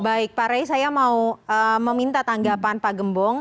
baik pak rey saya mau meminta tanggapan pak gembong